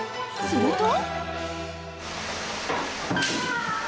［すると］